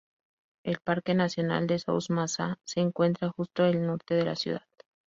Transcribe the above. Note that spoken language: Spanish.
El parque nacional de Souss-Massa se encuentra justo al norte de la ciudad.